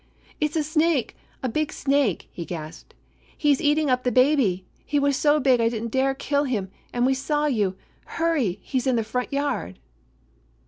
"It's a snake; a big snake!" he gasped. "He 's eating up the baby. He was so big I did n't dare kill him, and we saw you. Hurry! He's in the front yard."